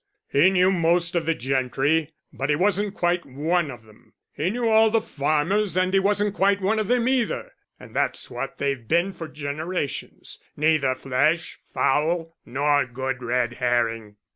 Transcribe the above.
He knew most of the gentry, but he wasn't quite one of them; he knew all the farmers and he wasn't quite one of them either. And that's what they've been for generations, neither flesh, fowl, nor good red herring."